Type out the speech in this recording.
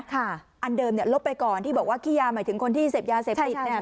อันเดิมเนี่ยลบไปก่อนที่บอกว่าขี้ยาหมายถึงคนที่เสพยาเสพติดเนี่ย